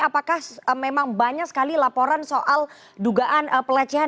apakah memang banyak sekali laporan soal dugaan pelecehan